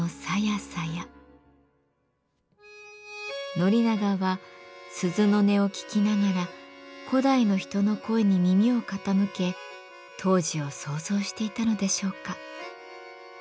宣長は鈴の音を聴きながら古代の人の声に耳を傾け当時を想像していたのでしょうか。